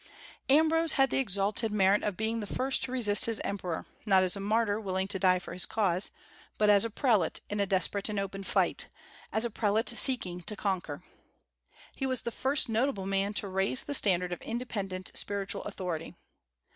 Ambrose had the exalted merit of being the first to resist his emperor, not as a martyr willing to die for his cause, but as a prelate in a desperate and open fight, as a prelate seeking to conquer. He was the first notable man to raise the standard of independent spiritual authority.